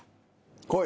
来い。